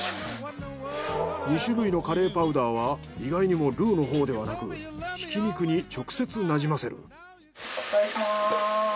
２種類のカレーパウダーは意外にもルーのほうではなくひき肉に直接なじませる。